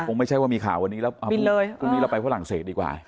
ไม่ใช่ว่ามีข่าววันนี้แล้วบินเลยพรุ่งนี้เราไปฝรั่งเศสดีกว่า